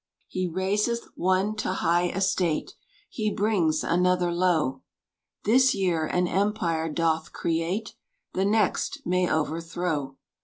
He raiseth one to high estate, He brings another low; This year an empire doth create The next may overthrow.